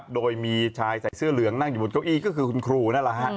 โดยมีชายใส่เสื้อเหลืองนั่งอยู่บนเก้าอี้ก็คือคุณครูนั่นแหละฮะ